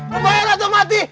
kumayan atau mati